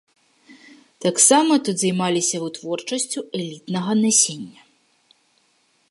Таксама тут займаліся вытворчасцю элітнага насення.